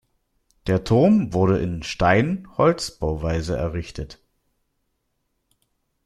Der Turm wurde in Stein-Holz-Bauweise errichtet.